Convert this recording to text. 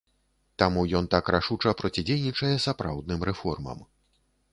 Таму ён так рашуча процідзейнічае сапраўдным рэформам.